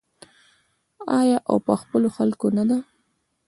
آیا او په خپلو خلکو نه ده؟